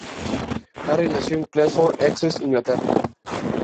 Harry nació en Chelmsford, Essex, Inglaterra.